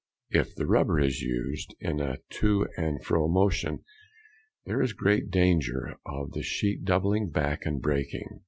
If the rubber is used in a to and fro motion, there is great danger of the sheet doubling back and breaking.